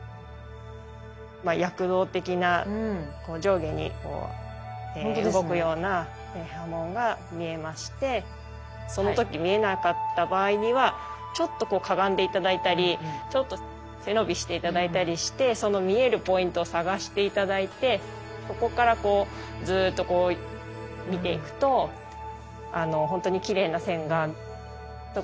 躍動的な上下に動くような刃文が見えましてその時見えなかった場合にはちょっとこうかがんで頂いたりちょっと背伸びして頂いたりしてその見えるポイントを探して頂いてそこからこうずっとこう見ていくとあのほんとにきれいな線が特に見えますのではい。